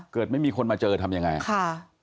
เกิดไม่มีคนมาเจอทำอย่างไรค่ะ